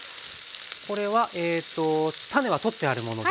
これは種は取ってあるものですね。